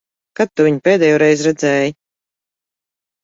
Kad tu viņu pēdējoreiz redzēji?